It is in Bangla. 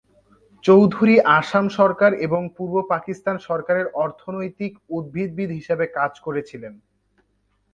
চৌধুরী আসাম সরকার এবং পূর্ব পাকিস্তান সরকারের অর্থনৈতিক উদ্ভিদবিদ হিসাবে কাজ করেছিলেন।